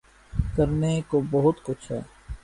کرنے کو بہت کچھ ہے۔